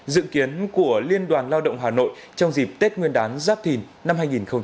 dự kiến của liên đoàn lao động hà nội trong dịp tết nguyên đán giáp thìn năm hai nghìn hai mươi bốn